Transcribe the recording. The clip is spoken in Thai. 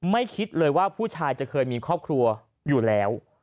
คิดเลยว่าผู้ชายจะเคยมีครอบครัวอยู่แล้ว